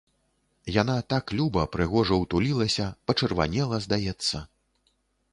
Яна так люба, прыгожа ўтулілася, пачырванела, здаецца.